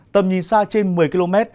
tầm nhìn xa trên một mươi km